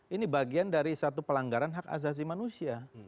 ini bagian dari satu pelanggaran hak asasi manusia